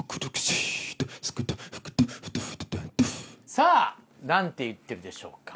さぁ何て言ってるでしょうか？